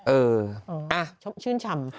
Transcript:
เออชื่นชำ